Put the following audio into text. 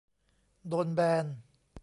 โดนแบน